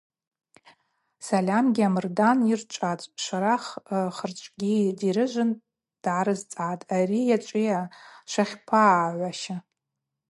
Сальамгьи амырдан йырчӏватӏ, шварах хырчӏвгьи дирыжвын дгӏарцӏгӏатӏ: – Ари ачӏвыйа, швахьпагӏагӏваща?